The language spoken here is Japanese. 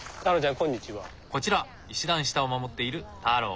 こちら石段下を守っているタロー。